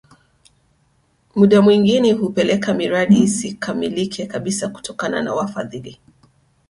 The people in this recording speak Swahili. Muda mwengine hupelekea miradi isikamilike kabisa kutokana na wafadhili